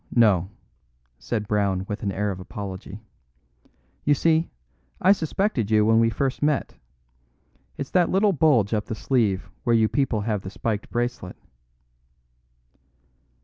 "No, no," said Brown with an air of apology. "You see, I suspected you when we first met. It's that little bulge up the sleeve where you people have the spiked bracelet."